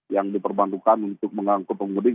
yang diperbankukan untuk mengangkut pembudik